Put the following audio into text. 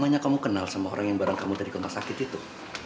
makanya kamu kenal sama orang yang barang kamu tadi ke rumah sakit itu